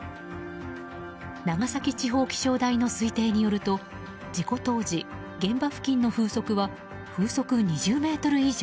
長崎地方気象台の推定によると事故当時、現場付近の風速は風速２０メートル以上。